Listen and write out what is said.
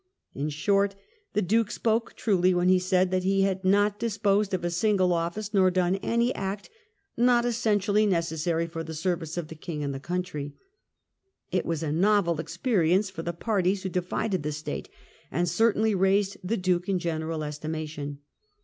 In short, the Duke spoke truly when he said that he had not disposed of a single office, nor done any act "not essentially necessary for the service of the King and the country." It was a novel experience for the parties who divided the State, and certainly raised the Duke in general estimation.